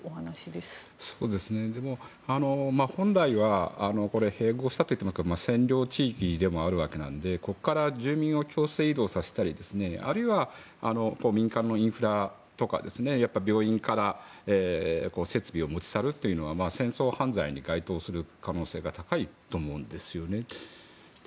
でも、本来は併合したといっても占領地域でもあるわけなのでここから住民を強制移動させたりあるいは、民間のインフラとか病院から設備を持ち去るというのは戦争犯罪に該当する可能性が高いと思いますね。